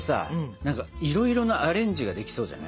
何かいろいろなアレンジができそうじゃない？